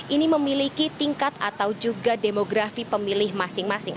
ini memiliki tingkat atau juga demografi pemilih masing masing